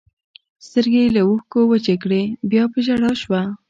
سترګې یې له اوښکو وچې کړې، بیا په ژړا شوه.